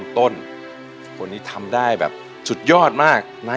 ยังไม่มีให้รักยังไม่มี